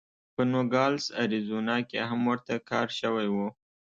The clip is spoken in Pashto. په نوګالس اریزونا کې هم ورته کار شوی و.